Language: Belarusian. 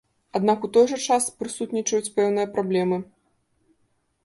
Аднак у той жа час прысутнічаюць пэўныя праблемы.